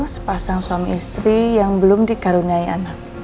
sepasang suami istri yang belum dikaruniai anak